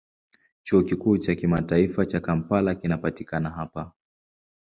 Chuo Kikuu cha Kimataifa cha Kampala kinapatikana hapa.